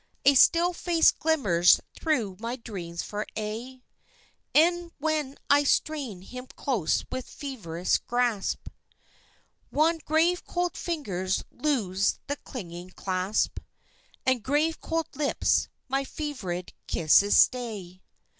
A still face glimmers through my dreams for aye. E'en when I strain him close with feverish grasp Wan grave cold fingers loose the clinging clasp, And grave cold lips my fervid kisses stay.